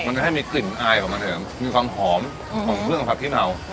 มันจะให้มีกลิ่นอายออกมาเถอะมีความหอมของเครื่องของผักขี้เมา